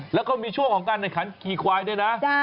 แล้วก็มีช่วงของการแข่งขันขี่ควายด้วยนะ